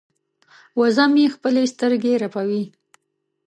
وزه مې خپلې سترګې رپوي.